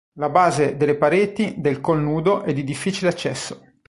La base delle pareti del Col Nudo è di difficile accesso.